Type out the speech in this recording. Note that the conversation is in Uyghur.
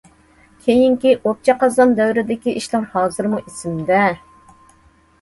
كېيىنكى ئوپچە قازان دەۋرىدىكى ئىشلار ھازىرمۇ ئېسىمدە.